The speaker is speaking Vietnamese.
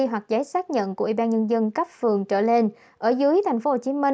hoặc giấy xác nhận của ủy ban nhân dân cấp phường trở lên ở dưới tp hcm